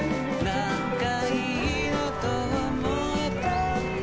なんかいいなと思えたんだ